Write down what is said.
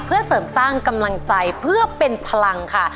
เพื่อเสริมสร้างกำลังใจเพื่อเป็นพลังค่ะ